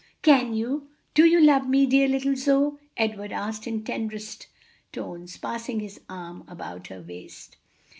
"Can you, do you love me, dear little Zoe?" Edward asked in tenderest tones, passing his arm about her waist.